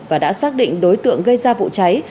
và đã xác định đối tượng gây ra vụ cháy